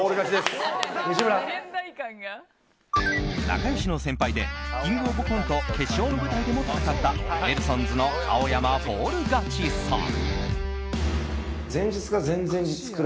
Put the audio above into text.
仲良しの先輩で「キングオブコント」決勝の舞台でも戦ったネルソンズの青山フォール勝ちさん。